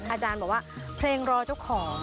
อาจารย์บอกว่าเพลงรอเจ้าของ